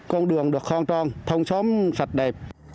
trong thời gian tới